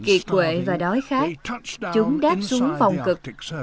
kiệt quệ và đói khát chúng đáp xuống vòng cực